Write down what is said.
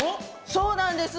そうなんです。